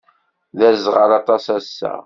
D aẓɣal aṭas ass-a.